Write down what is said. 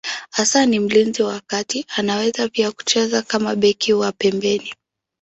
Hasa ni mlinzi wa kati, anaweza pia kucheza kama beki wa pembeni.